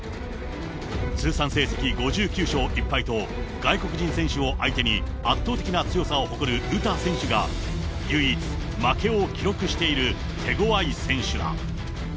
通算成績５９勝１敗と、外国人選手を相手に圧倒的な強さを誇る詩選手が唯一、負けを記録している手ごわい選手だ。